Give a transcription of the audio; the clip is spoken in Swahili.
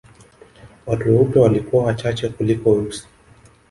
Watu weupe walikuwa wachache kuliko weusi